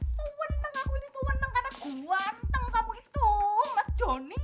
suwenneng aku ini suwenneng karena guanteng kamu itu mas johnny